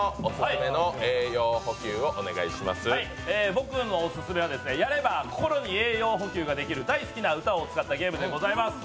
僕のオススメはやれば心に栄養補給ができる大好きな歌を使ったゲームでございます。